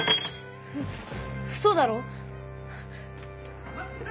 ううそだろ！？